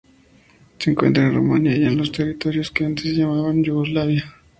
Se encuentra en Rumania y en los territorios que antes se llamaban Yugoslavia.